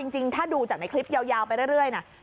จริงมาคลิปให้ยาวไปเรื่อย